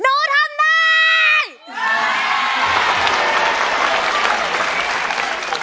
หนูทำได้